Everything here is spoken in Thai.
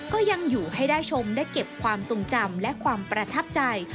ก็ยังอยู่ให้ได้ชมได้เก็บความทรงจำและความประทับใจ